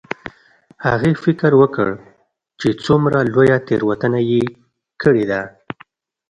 هغې فکر وکړ چې څومره لویه تیروتنه یې کړې ده